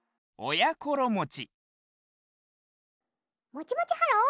もちもちハロー！